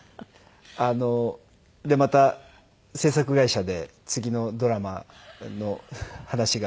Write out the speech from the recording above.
あのまた制作会社で次のドラマの話があって。